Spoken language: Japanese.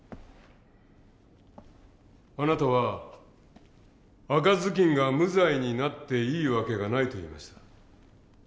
あなたは赤ずきんが無罪になっていい訳がないと言いました。